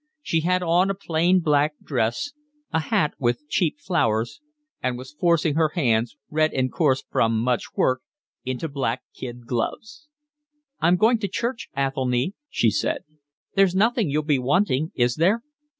She had on a plain black dress, a hat with cheap flowers, and was forcing her hands, red and coarse from much work, into black kid gloves. "I'm going to church, Athelny," she said. "There's nothing you'll be wanting, is there?"